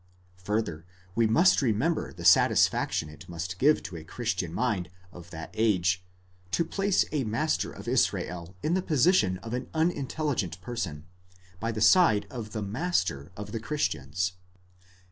Further, we must remember the satisfaction it must give to a Christian mind of that age, to place a master of Israel in the position of an unintelligent person, by the side of the Master of the Christians.